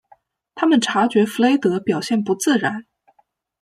他们察觉弗雷德表现不自然。